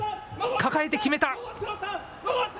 抱えて決めた。